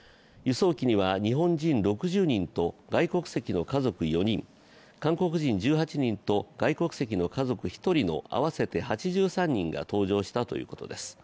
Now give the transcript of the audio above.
日本人６０人と外国籍の家族４人韓国人１８人と外国籍の家族１人の合わせて８３人が搭乗したということです。